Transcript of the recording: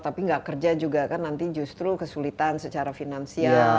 tapi nggak kerja juga kan nanti justru kesulitan secara finansial